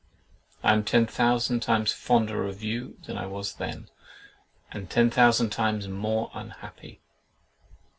I am ten thousand times fonder of you than I was then, and ten thousand times more unhappy!"